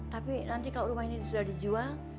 tapi nanti kalau rumah ini sudah dijual